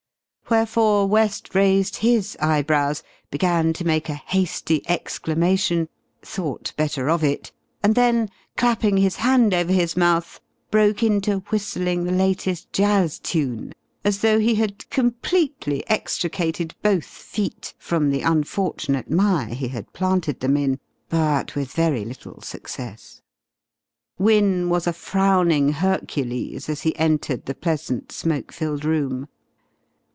Wherefore West raised his eyebrows, began to make a hasty exclamation, thought better of it, and then clapping his hand over his mouth broke into whistling the latest jazz tune, as though he had completely extricated both feet from the unfortunate mire he had planted them in but with very little success. Wynne was a frowning Hercules as he entered the pleasant smoke filled room.